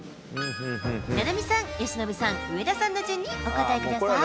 菜波さん、由伸さん、上田さんの順にお答えください。